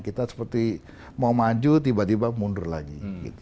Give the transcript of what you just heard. kita seperti mau maju tiba tiba mundur lagi